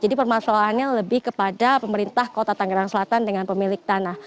jadi permasalahannya lebih kepada pemerintah kota tangerang selatan dengan pemilik tanah